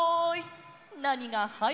はい！